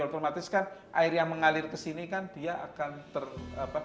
otomatis kan air yang mengalir kesini akan berkurang